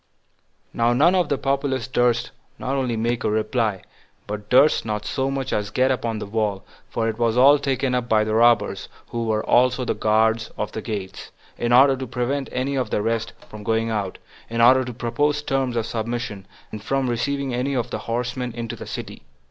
3. Now none of the populace durst not only make a reply, but durst not so much as get upon the wall, for it was all taken up by the robbers, who were also the guard at the gates, in order to prevent any of the rest from going out, in order to propose terms of submission, and from receiving any of the horsemen into the city.